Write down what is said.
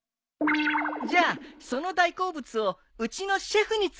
じゃあその大好物をうちのシェフに作ってもらうよ。